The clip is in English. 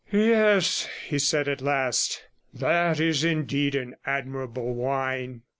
'Yes,' he said at last, 'that is indeed an admirable wine.